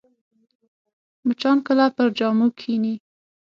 مچان کله پر جامو کښېني